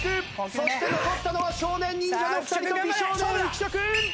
そして残ったのは少年忍者の２人と美少年浮所君。